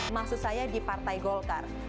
maksud saya di partai golkar